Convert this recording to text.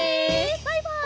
バイバイ！